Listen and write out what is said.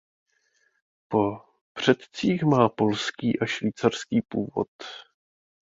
Po předcích má polský a švýcarský původ.